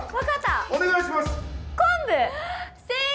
お願いします。